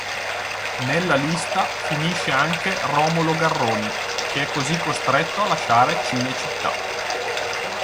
Nella lista finisce anche Romolo Garroni che è così costretto a lasciare Cinecittà.